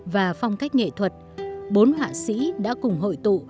và phong cách nghệ thuật bốn họa sĩ đã cùng hội tụ